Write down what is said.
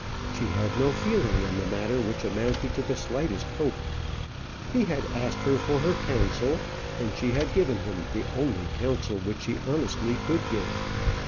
She had no feeling in the matter which amounted to the slightest hope. He had asked her for her counsel, and she had given him the only counsel which she honestly could give.